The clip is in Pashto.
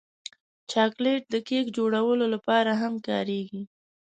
چاکلېټ د کیک جوړولو لپاره هم کارېږي.